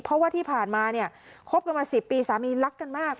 เพราะว่าที่ผ่านมาเนี่ยคบกันมา๑๐ปีสามีรักกันมาก